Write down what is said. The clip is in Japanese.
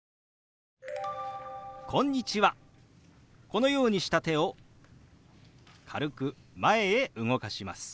このようにした手を軽く前へ動かします。